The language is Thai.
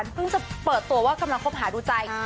เมื่อกี้พึ่งจะเปิดตัวว่ากำลังคงขอบคาดูใจ